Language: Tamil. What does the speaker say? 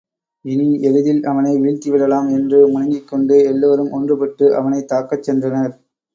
இனி எளிதில் அவனை வீழ்த்தி விடலாம் என்று முழங்கிக் கொண்டு எல்லோரும் ஒன்றுபட்டு அவனைத் தாக்கச் சென்றனர்.